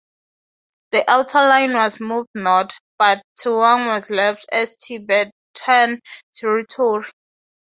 The Outer Line was moved north, but Tawang was left as Tibetan territory.